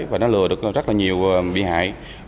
và nó lừa được rất là nhiều bị hại